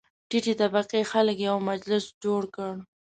ټیټې طبقې خلک یو مجلس جوړ کړ.